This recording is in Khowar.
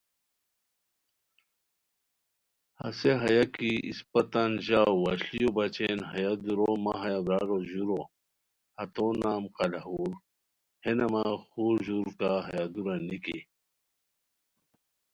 ہسے ہیہ کی اِسپہ تان ژاؤ وشلیو بچین ہیہ دُورہ مہ ہیہ برارو ژورو ہتو نام’’قلا ہور‘‘ ہے نامہ خورژور کا ہیہ دُورہ نِکی